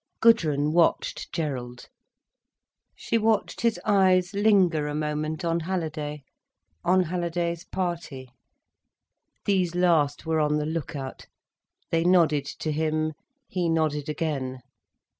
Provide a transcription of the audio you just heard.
Gudrun watched Gerald. She watched his eyes linger a moment on Halliday, on Halliday's party. These last were on the look out—they nodded to him, he nodded again.